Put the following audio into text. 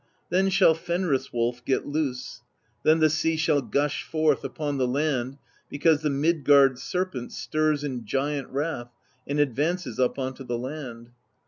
Then shall Fenris Wolf get loose; then the sea shall gush forth upon the land, because the Midgard Serpent stirs in giant wrath and advances up onto the land.